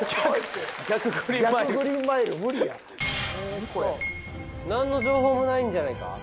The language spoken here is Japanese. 無理や何の情報もないんじゃないか？